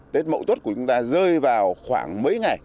tết mậu tuất của chúng ta rơi vào khoảng mấy ngày